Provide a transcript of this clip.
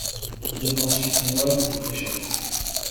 Il devint ensuite moine et prêcha.